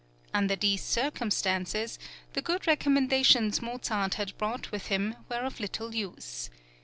Under these circumstances, the good recommendations Mozart had brought with him were of little use.